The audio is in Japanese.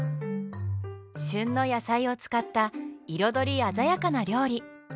旬の野菜を使った彩り鮮やかな料理。